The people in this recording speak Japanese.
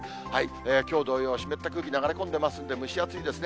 きょう同様、湿った空気流れ込んでますので、蒸し暑いですね。